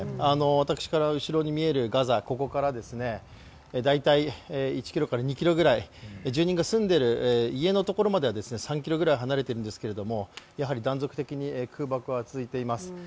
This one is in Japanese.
私から後ろに見えるガザここから大体１ｋｍから２ｋｍぐらい住人が住んでいる家のところまでは３ｋｍくらい離れているんですがやはり断続的に空爆は続いています。